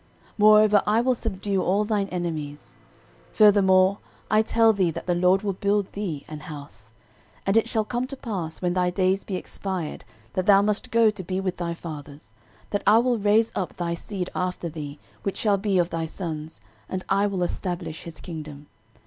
Moreover I will subdue all thine enemies. Furthermore I tell thee that the LORD will build thee an house. 13:017:011 And it shall come to pass, when thy days be expired that thou must go to be with thy fathers, that I will raise up thy seed after thee, which shall be of thy sons; and I will establish his kingdom.